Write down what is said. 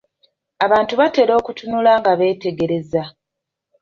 Abantu batera okutunula nga beetegereza.